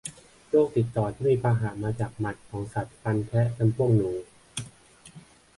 โรคติดต่อที่มีพาหะมาจากหมัดของสัตว์ฟันแทะจำพวกหนู